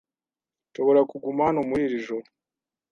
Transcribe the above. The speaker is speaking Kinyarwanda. Nshobora kuguma hano muri iri joro?